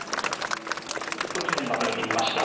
地図にまとめてみました。